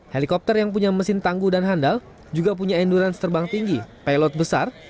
helikopter yang punya mesin tangguh dan handal juga punya endurance terbang tinggi pilot besar